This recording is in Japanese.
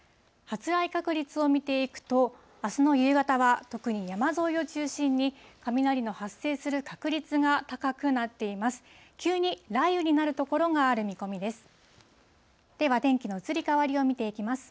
発雷確率を見ていくと、あすの夕方は特に山沿いを中心に、雷の発生する確率が高くなっています。